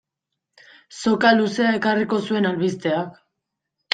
Soka luzea ekarriko zuen albisteak.